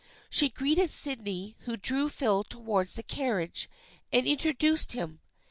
She greeted Sydney, who drew Phil towards the carriage and introduced him.